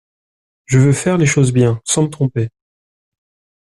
Je veux faire les choses bien, sans me tromper.